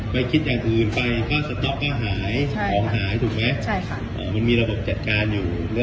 แยกเฉพาะขาวอย่างเดียวได้